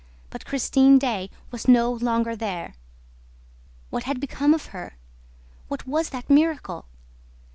But Christine Daae was no longer there! What had become of her? What was that miracle?